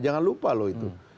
jangan lupa loh itu